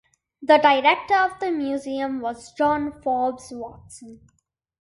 The director of the museum was John Forbes Watson.